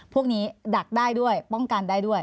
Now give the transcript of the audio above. พวกนี้ดักได้ด้วยป้องกันได้ด้วย